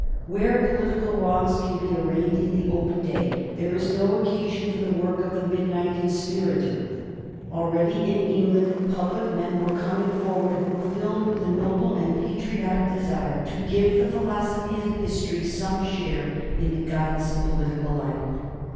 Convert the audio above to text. Where political wrongs can be arraigned in the open day, there is no occasion for the work of the midnight conspirator. Already in England public men were coming forward who were filled with the noble and patriotic desire to give the philosophy of history some share in the guidance of political life.